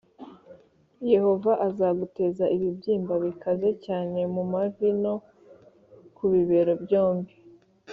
“Yehova azaguteza ibibyimba bikaze cyane mu mavi no ku bibero byombi,